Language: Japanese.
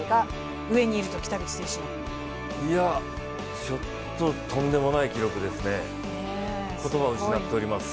ちょっととんでもない記録ですね。